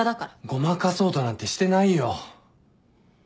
ごまかそうとなんてしてないよ。